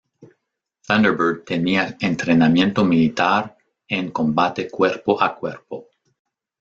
Thunderbird tenía entrenamiento militar en combate cuerpo a cuerpo.